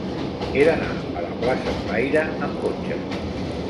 He d'anar a la plaça de l'Aire amb cotxe.